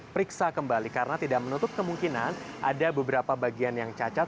periksa kembali karena tidak menutup kemungkinan ada beberapa bagian yang cacat